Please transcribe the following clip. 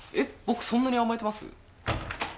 僕そんなに甘えてます？